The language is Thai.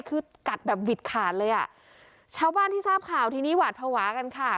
คือกัดแบบหวิดขาดเลยอ่ะชาวบ้านที่ทราบข่าวทีนี้หวาดภาวะกันค่ะ